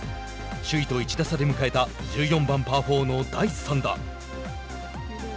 首位と１打差で迎えた１４番パー４の第３打。